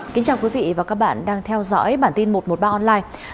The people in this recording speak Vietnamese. kính chào quý vị và các bạn đang theo dõi bản tin một trăm một mươi ba online